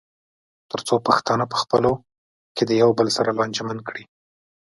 تر څو پښتانه پخپلو کې د یو بل سره لانجمن کړي.